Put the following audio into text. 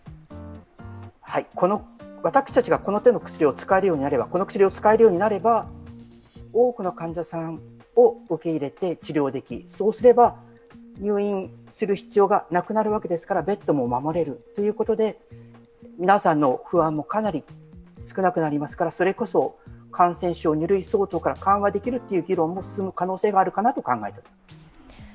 はい、私たちがこの薬を使えるようになれば多くの患者さんを受け入れて治療でき、そうすれば入院する必要がなくなるわけですからベッドも守れるということで皆さんの不安もかなり少なくなりますから、それこそ感染症２類相当から緩和できるという議論が進む可能性があるかなと考えています。